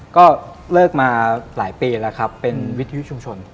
ก็เลิกมาหลายปีแล้วครับเป็นวิทยุชุมชน